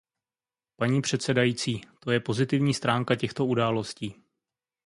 Paní předsedající, to je pozitivní stránka těchto událostí.